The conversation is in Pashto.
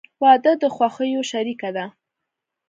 • واده د خوښیو شریکه ده.